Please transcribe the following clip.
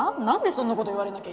何でそんなこと言われ